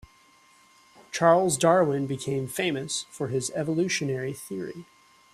Charles Darwin became famous for his evolutionary theory.